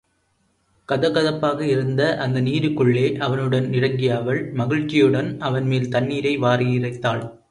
கதகதப்பாக இருந்த அந்த நீருக்குள்ளே அவனுடன் இறங்கிய அவள், மகிழ்ச்சியுடன் அவன்மேல் தண்ணீரை வாரியிறைத்தாள்.